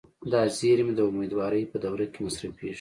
دا زیرمې د امیدوارۍ په دوره کې مصرفېږي.